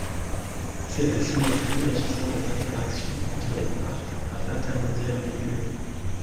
C'est la symétrie régissant les interactions entre les quarks par l'intermédiaire des gluons.